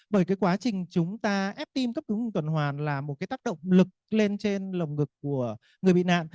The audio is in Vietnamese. bởi cái quá trình chúng ta ép tim cấp cứu tuần hoàn là một cái tác động lực lên trên lồng ngực của người bị nạn